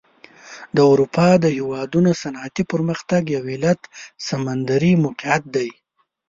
د اروپا د هېوادونو صنعتي پرمختګ یو علت سمندري موقعیت دی.